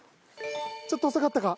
ちょっと遅かったか？